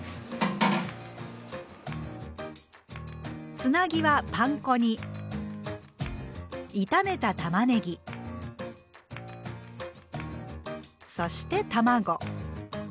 つなぎはパン粉に炒めたたまねぎそして卵。